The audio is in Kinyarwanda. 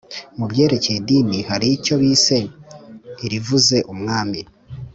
Mu byerekeye idini hari icyo bise "irivuze umwami"